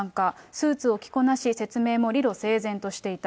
スーツを着こなし、説明も理路整然としていた。